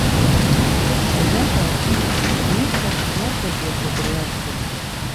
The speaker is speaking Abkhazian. Ажәакала, Нестор иарӷьажәҩақәа дыруаӡәкын.